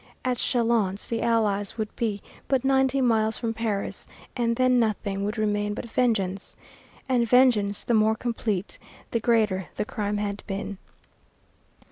At Châlons the allies would be but ninety miles from Paris, and then nothing would remain but vengeance, and vengeance the more complete the greater the crime had been.